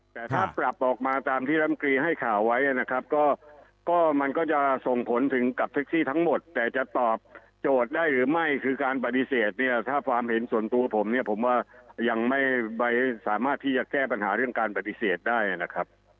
แต่ถ้าปรับออกมาตามที่รำกรีให้ข่าวไว้นะครับก็มันก็จะส่งผลถึงกับแท็กซี่ทั้งหมดแต่จะตอบโจทย์ได้หรือไม่คือการปฏิเสธเนี่ยถ้าความเห็นส่วนตัวผมเนี่ยผมว่ายังไม่สามารถที่จะแก้ปัญหาเรื่องการปฏิเสธได้นะครับ